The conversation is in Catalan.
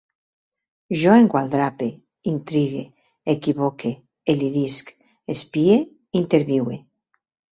Jo engualdrape, intrigue, equivoque, elidisc, espie, interviue